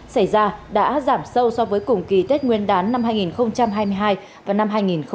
xảy ra đã giảm sâu so với cùng kỳ tết nguyên đán năm hai nghìn hai mươi hai và năm hai nghìn hai mươi hai